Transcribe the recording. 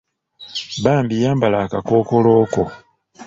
Bambi yambala akakookoolo ko.